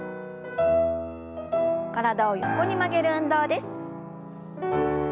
体を横に曲げる運動です。